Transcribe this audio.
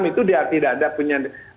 lima puluh enam itu dia tidak ada penyertaan